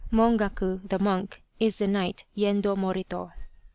Mongaku, the monk, is the knight Yendo Morito.